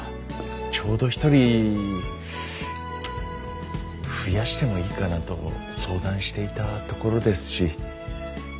ちょうど一人増やしてもいいかなと相談していたところですし。